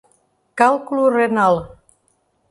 Cálculo renal